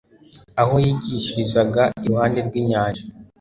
aho yigishirizaga iruhande rw'inyanja.